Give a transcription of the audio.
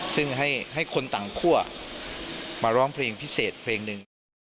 ซึ่งให้คนต่างคั่วมาร้องเพลงพิเศษเพลงหนึ่ง